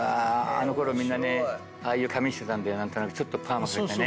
あのころみんなねああいう髪してたんでちょっとパーマかけてね。